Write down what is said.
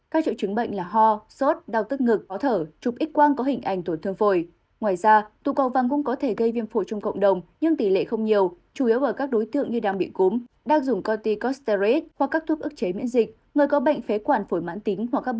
các triệu trứng bệnh là ho sốt đau tức ngực khó thở trục ích quang có hình ảnh tổn thương phổi